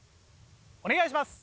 お願いします。